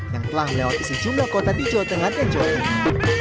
yang telah melewati sejumlah kota di jawa tengah dan jawa timur